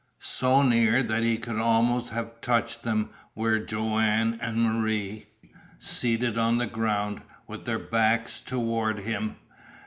So near that he could almost have touched them were Joanne and Marie, seated on the ground, with their backs toward him.